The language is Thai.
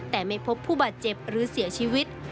แต่ไม่พบผู้บาดเจ็บหรือเสียชีวิต